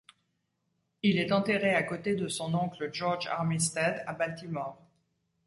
Il est enterré à côté de son oncle George Armistead à Baltimore.